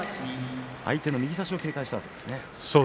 相手の右差しを警戒したんですね。